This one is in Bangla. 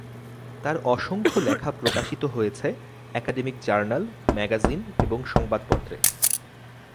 তার অসংখ্য লেখা প্রকাশিত হয়েছে একাডেমিক জার্নাল, ম্যাগাজিন এবং সংবাদপত্রে।